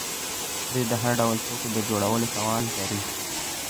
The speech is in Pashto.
دوی د هر ډول توکو د جوړولو توان لري.